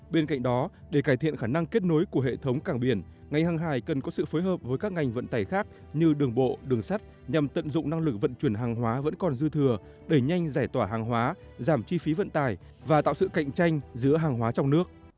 bên cạnh đó để cải thiện khả năng kết nối của hệ thống cảng biển ngành hàng hải cần có sự phối hợp với các ngành vận tải khác như đường bộ đường sắt nhằm tận dụng năng lực vận chuyển hàng hóa vẫn còn dư thừa đẩy nhanh giải tỏa hàng hóa giảm chi phí vận tải và tạo sự cạnh tranh giữa hàng hóa trong nước